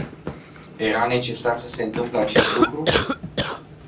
Era necesar să se întâmple acest lucru?